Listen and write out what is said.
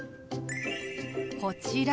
こちら。